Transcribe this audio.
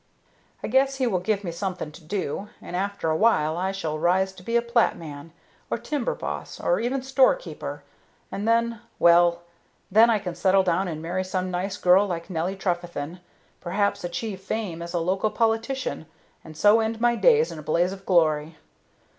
"I guess he will give me something to do, and after a while I shall rise to be a plat man, or timber boss, or even store keeper, and then Well, then I can settle down and marry some nice girl like Nelly Trefethen, perhaps achieve fame as a local politician, and so end my days in a blaze of glory.